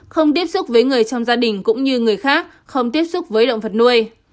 không tiếp xúc với người trong gia đình cũng như người khác không tiếp xúc với động vật nuôi